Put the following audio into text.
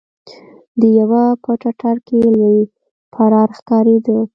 د يوه په ټټر کې لوی پرار ښکارېده.